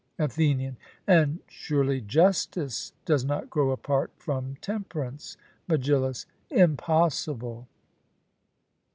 ATHENIAN: And surely justice does not grow apart from temperance? MEGILLUS: Impossible.